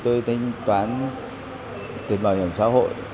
tôi tính toán tiền bảo hiểm xã hội